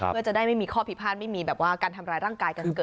เพื่อจะได้ไม่มีข้อพิพาทไม่มีแบบว่าการทำร้ายร่างกายกันเกิด